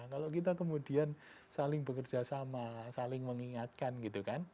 kalau kita kemudian saling bekerja sama saling mengingatkan gitu kan